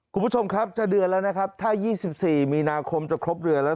คุณผู้ชมครับจะเดือนแล้วนะครับถ้า๒๔มีนาคมจะครบเดือนแล้ว